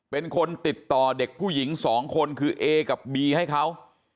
เป็นคนติดต่อเด็กผู้หญิงสองคนคือเอกับบีให้เขา